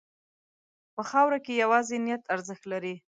په خاوره کې یوازې نیت ارزښت لري.